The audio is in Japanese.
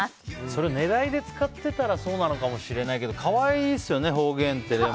それ、狙いで使ってたらそうなのかもしれないけど可愛いですよね。